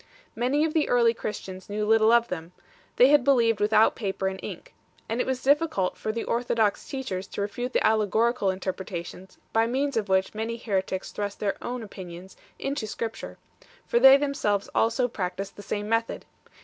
Many of the early Christians knew little of them ; they had believed without paper and ink 7 . And it was difficult for the orthodox teachers to refute the allegorical interpretations by means of which many heretics thrust their own opinions into Scripture, for they themselves also practised the same method.